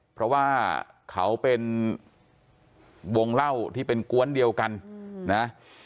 เพราะว่าเขาเป็นวงเล่าที่เป็นกวนเดียวกันนะ